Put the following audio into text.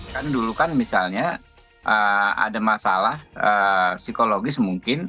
kan dulu kan misalnya ada masalah psikologis mungkin